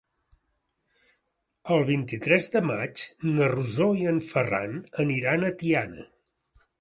El vint-i-tres de maig na Rosó i en Ferran aniran a Tiana.